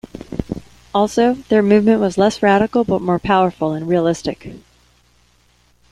Also, their movement was less radical but more powerful and realistic.